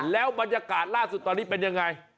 แล้วบรรยากาศล่าสุดตอนนี้เป็นยังไง